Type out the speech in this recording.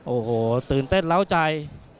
โอ้โหตื่นเต้นเล้าใจ